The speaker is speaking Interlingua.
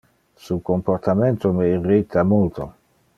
Su comportamento me irrita multo.